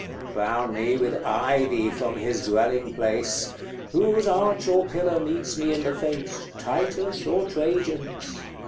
Crown me with ivy from his dwelling place. Whose arch or pillar meets me in the face, Titus or Trajan's?